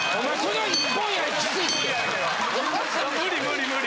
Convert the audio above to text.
無理無理無理！